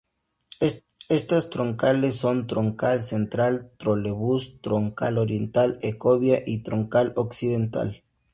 Estas troncales son: Troncal Central Trolebús, Troncal Oriental Ecovía, y Troncal Occidental.